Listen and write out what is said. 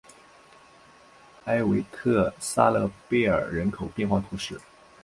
埃韦特萨勒贝尔人口变化图示